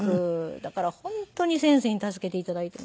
だから本当に先生に助けて頂いています。